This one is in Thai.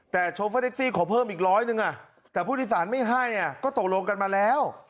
แต่โชเฟอร์แท็กซี่ขอเพิ่มอีกร้อยหนึ่งแต่ผู้โดยสารไม่ให้ก็ตกลงกันมาแล้ว